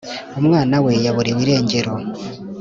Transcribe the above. Umwana we yaburiwe irengero